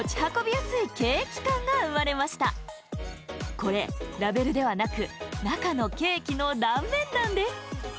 これラベルではなくなかのケーキのだんめんなんです！